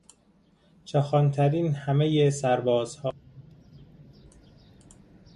چاخانترین همهی سربازها